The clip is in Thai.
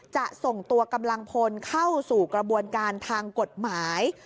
จะส่งตัวกำลังพลเข้าสู่กระบวนการทางกฎหมาย